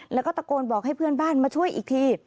แล้วก็ตะโกนบอกให้เพื่อนบ้านมาช่วยอีกที